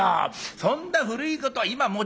そんな古いこと今持ち出して」。